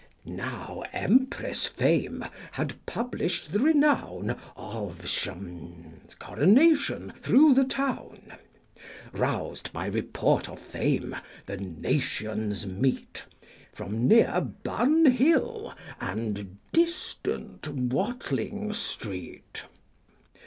5 Now Empress Fame had publish'd the renown Of Shadwell's coronation through the town. Roused by report of fame, the nations meet, From near Bunhill, and distant Watling Street.